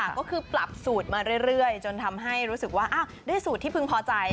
ก็คือปรับสูตรมาเรื่อยจนทำให้รู้สึกว่าได้สูตรที่พึงพอใจ